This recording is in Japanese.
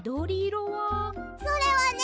それはね